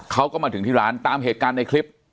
เขาก็มาถึงที่ร้านตามเหตุการณ์ในคลิป